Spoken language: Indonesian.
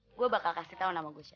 aku akan memberitahu siapa nama saya